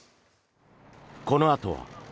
このあとは。